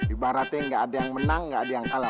ibaratnya nggak ada yang menang gak ada yang kalah